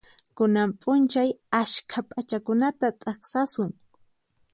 Kunan p'unchay askha p'achakunata t'aqsasun.